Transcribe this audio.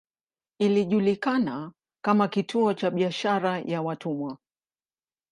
Ilijulikana kama kituo cha biashara ya watumwa.